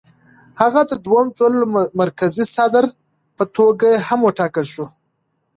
هغه د دوو ځل مرکزي صدر په توګه هم وټاکل شو.